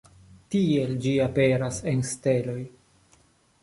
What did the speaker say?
Tiel ĝi aperas en steloj.